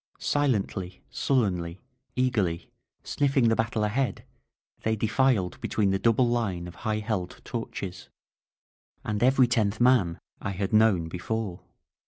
Silently, sul lenly, eagerly, sniffing the battle ahead, they defiled between the double line of high held torches. And every tenth man I had known before.